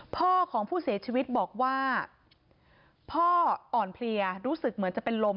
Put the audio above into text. พ่อของผู้เสียชีวิตบอกว่าพ่ออ่อนเพลียรู้สึกเหมือนจะเป็นลม